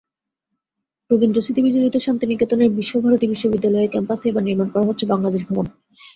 রবীন্দ্র স্মৃতিবিজড়িত শান্তিনিকেতনের বিশ্বভারতী বিশ্ববিদ্যালয় ক্যাম্পাসে এবার নির্মাণ করা হচ্ছে বাংলাদেশ ভবন।